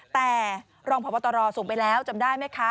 แต่รองพบตรส่งไปแล้วจำได้ไหมคะ